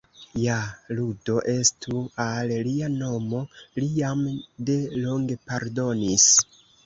Ja, laŭdo estu al Lia Nomo, Li jam de longe pardonis.